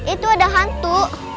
itu ada hantu